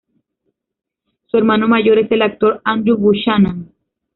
Su hermano mayor es el actor Andrew Buchanan.